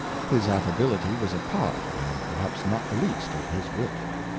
His Affability was a Part, and perhaps not the least, of his Wit.